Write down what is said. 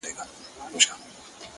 پر ښايستوكو سترگو ـ